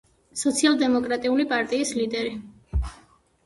სოციალ-დემოკრატიული პარტიის ლიდერი.